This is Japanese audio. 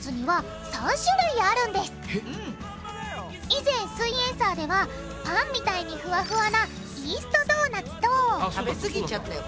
以前「すイエんサー」ではパンみたいにふわふわなイーストドーナツと食べ過ぎちゃったよ